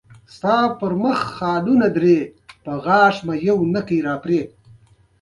ازادي راډیو د تعلیم ستونزې راپور کړي.